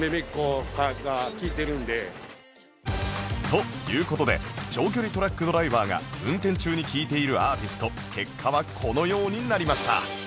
という事で長距離トラックドライバーが運転中に聴いているアーティスト結果はこのようになりました